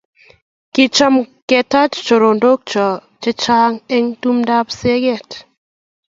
Kichome ketach choronok chok chechang' eng' tumndap siget